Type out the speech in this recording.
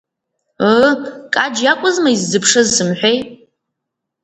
Ыы, Каџь иакәызма иззыԥшыз сымҳәеи?